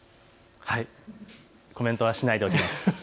コメントはしないでおきます。